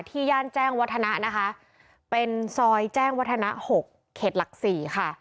ย่านแจ้งวัฒนะนะคะเป็นซอยแจ้งวัฒนะ๖เขตหลัก๔ค่ะ